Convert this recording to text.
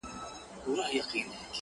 زنده ګي غوټ چلند د بنې کوي